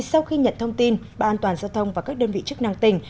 sau khi nhận thông tin ban an toàn giao thông và các đơn vị chức năng tỉnh